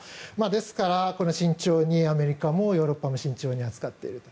ですからアメリカもヨーロッパも慎重に扱っていると。